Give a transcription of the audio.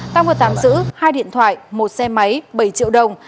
tăng hợp tám giữ hai điện thoại một xe máy bảy triệu đồng